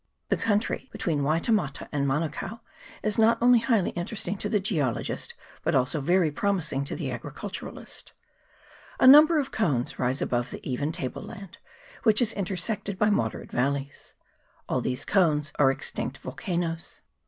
The country between Waitemata and Manukao is not only highly interesting to the geologist, but also very promising to the agriculturist. A number of cones rise above the even table land, which is in tersected by moderate valleys. All these cones are extinct volcanoes.